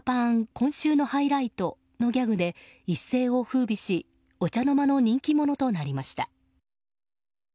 今週のハイライトのギャグで一世を風靡しお茶の間の人気者となりました。